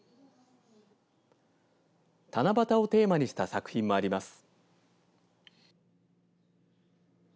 七夕をテーマにした作品もあります。